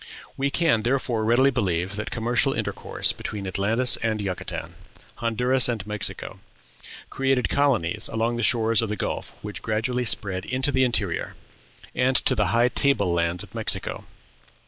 We can therefore readily believe that commercial intercourse between Atlantis and Yucatan, Honduras and Mexico, created colonies along the shores of the Gulf which gradually spread into the interior, and to the high table lands of Mexico.